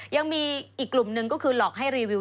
ยังมีอีกกลุ่มหนึ่งก็คือหลอกให้รีวิว